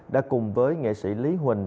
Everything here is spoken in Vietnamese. đã cùng với nghệ sĩ lý huỳnh